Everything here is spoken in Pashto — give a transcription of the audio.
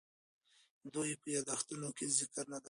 دوی یې په یادښتونو کې ذکر نه دی کړی.